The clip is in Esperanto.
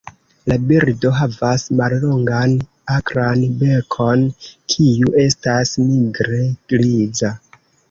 La birdo havas mallongan akran bekon, kiu estas nigre-griza.